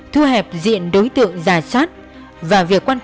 trước khi lên ra ngôi nhà đều bị máy sống và các nhà thương sinh và mua phép